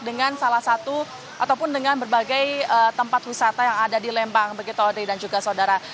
dengan salah satu ataupun dengan berbagai tempat wisata yang ada di lembang begitu dan juga saudara